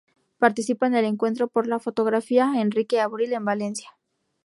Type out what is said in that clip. Participa en el Encuentro por la Fotografía Henrique Avril en Valencia, Edo.